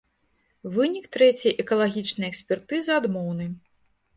Вынік трэцяй экалагічнай экспертызы адмоўны.